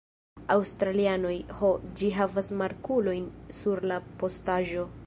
Australianoj. Ho, ĝi havas markulon sur la postaĵo.